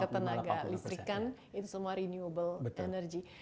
ketenaga listrikan itu semua renewable energy